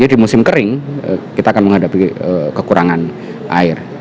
di musim kering kita akan menghadapi kekurangan air